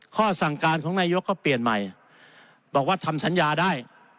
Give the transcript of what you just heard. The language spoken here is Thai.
ข้อสั่งการของนายกก็เปลี่ยนใหม่บอกว่าทำสัญญาได้